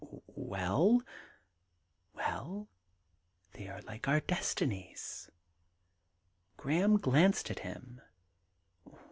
* Well ?* Well : they are like our destinies.' Graham glanced at him.